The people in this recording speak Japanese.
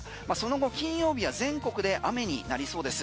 金曜日は全国で雨になりそうです。